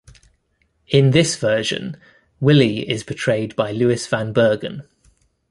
In this version, Willie is portrayed by Lewis Van Bergen.